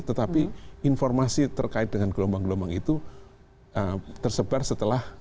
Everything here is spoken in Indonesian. tetapi informasi terkait dengan gelombang gelombang itu tersebar setelah